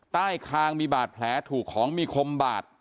ใต้คางมีบาดแผลถูกของมีคมบาด